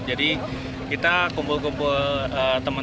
jadi kita kumpul kumpul teman teman